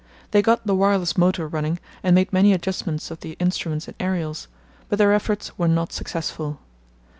They got the wireless motor running and made many adjustments of the instruments and aerials, but their efforts were not successful.